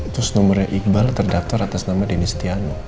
terus nomornya iqbal terdaftar atas nama denny setiano